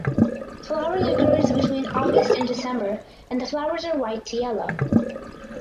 Flowering occurs between August and December and the flowers are white to yellow.